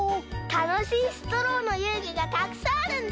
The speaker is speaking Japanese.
たのしいストローのゆうぐがたくさんあるんだ！